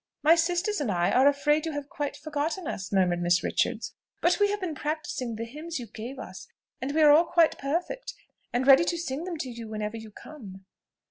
"My sisters and I are afraid you have quite forgotten us," murmured Miss Richards; "but we have been practising the hymns you gave us, and we are all quite perfect, and ready to sing them to you whenever you come."